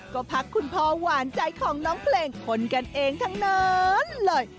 ก็พักคุณพ่อหวานใจของน้องเพลงคนกันเองทั้งนั้นเลย